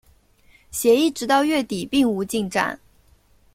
协议直到月底并无进展。